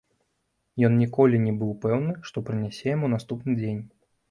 Ён ніколі не быў пэўны, што прынясе яму наступны дзень.